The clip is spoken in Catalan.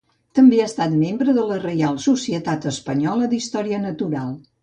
També ha estat membre de la Reial Societat Espanyola d'Història Natural.